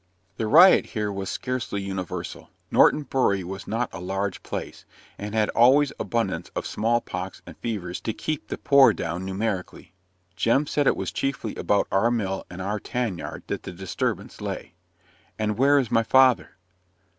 The riot here was scarcely universal. Norton Bury was not a large place, and had always abundance of small pox and fevers to keep the poor down numerically. Jem said it was chiefly about our mill and our tan yard that the disturbance lay. "And where is my father?"